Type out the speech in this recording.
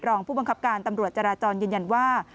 รองผู้บังคับการตำรวจจราจรยืนยันว่า